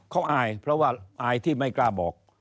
เขาอายเพราะว่าอายที่ไม่กล้าบอก